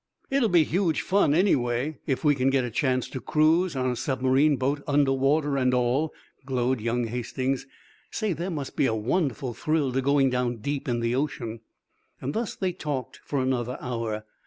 "It'll be huge fun, anyway, if we can get a chance to cruise on a submarine boat under water and all!" glowed young Hastings. "Say, there must be a wonderful thrill to going down deep in the ocean." Thus they talked for another hour.